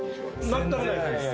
全くないです